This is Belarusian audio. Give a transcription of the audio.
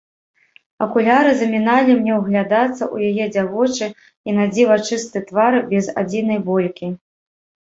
Акуляры заміналі мне ўглядацца ў яе дзявочы і надзіва чысты твар без адзінай болькі.